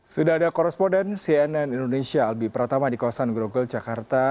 sudah ada korresponden cnn indonesia albi pertama di kosan groggol jakarta